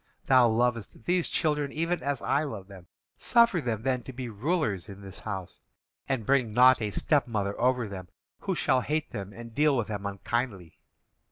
Thou lovest these children even as I love them. Suffer them then to be rulers in this house, and bring not a stepmother over them who shall hate them and deal with them unkindly.